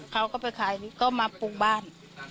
เขาก็ไปขายก็มาปลูกบ้าน